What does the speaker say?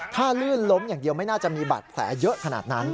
ถ้าลื่นล้มอย่างเดียวไม่น่าจะมีบาดแผลเยอะขนาดนั้น